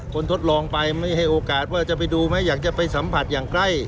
ทดลองไปไม่ให้โอกาสว่าจะไปดูไหมอยากจะไปสัมผัสอย่างใกล้